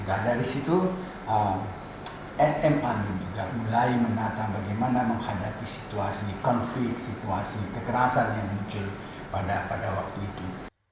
dan dari situ sm amin juga mulai menata bagaimana menghadapi situasi konflik situasi kekerasan yang muncul pada waktu itu